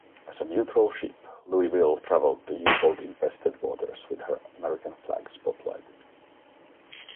As a neutral ship, "Louisville" traveled the U-boat-infested waters with her American flag spotlighted.